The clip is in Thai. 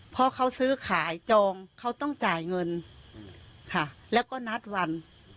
เพราะเขาซื้อขายจองเขาต้องจ่ายเงินค่ะแล้วก็นัดวัน